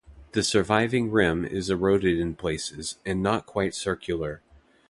The surviving rim is eroded in places, and not quite circular.